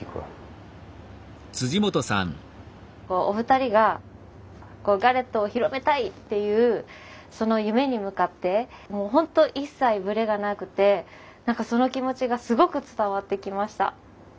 お二人がガレットを広めたいっていうその夢に向かってホント一切ブレがなくてその気持ちがすごく伝わってきました。